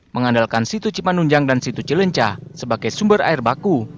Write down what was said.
mengandalkan situ cipanunjang dan situ cilencah sebagai sumber air baku